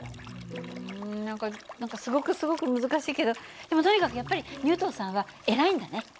うん何か何かすごくすごく難しいけどでもとにかくやっぱりニュートンさんは偉いんだね。